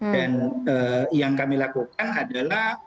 dan yang kami lakukan adalah